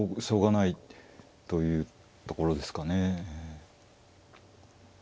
しょうがないというところですかね。